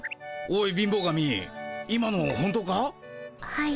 はい。